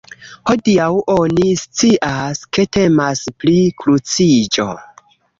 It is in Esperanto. Hodiaŭ oni scias, ke temas pri kruciĝo.